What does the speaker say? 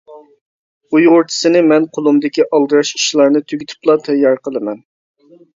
ئۇيغۇرچىسىنى مەن قولۇمدىكى ئالدىراش ئىشلارنى تۈگىتىپلا تەييار قىلىمەن.